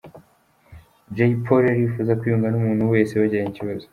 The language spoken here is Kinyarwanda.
Jayipoli arifuza kwiyunga n’umuntu wese bagiranye ikibazo